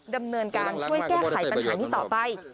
ดำเนินการช่วยแก้ไขปัญหานี้ต่อไป